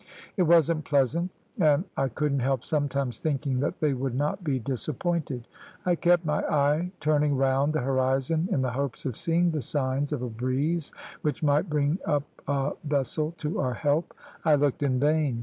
It wasn't pleasant, and I couldn't help sometimes thinking that they would not be disappointed. I kept my eye turning round the horizon in the hopes of seeing the signs of a breeze which might bring up a vessel to our help. I looked in vain.